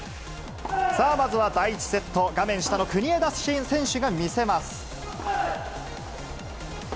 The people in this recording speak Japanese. さあ、まずは第１セット、画面下の国枝選手が見せます。